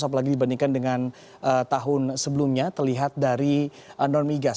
apalagi dibandingkan dengan tahun sebelumnya terlihat dari non migas